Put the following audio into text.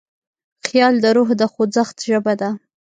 خیال د روح د خوځښت ژبه ده.